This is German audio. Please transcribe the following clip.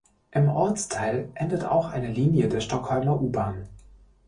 Im Ortsteil endet auch eine Linie der Stockholmer U-Bahn.